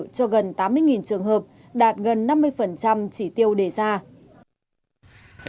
cho gần tám mươi trường hợp đạt gần năm mươi chỉ tiêu đề ra